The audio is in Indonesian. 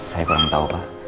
saya kurang tahu pak